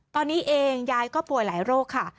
ตอนนี้เองยายก็ป่วยหลายโรคค่ะ